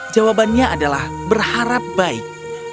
jawabannya adalah berharap baik